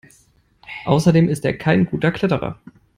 Außerdem ist er kein guter Kletterer.